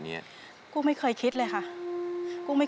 เปลี่ยนเพลงเก่งของคุณและข้ามผิดได้๑คำ